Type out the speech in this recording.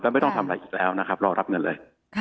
ไม่ต้องทำอะไรอีกแล้วนะครับรอรับเงินเลย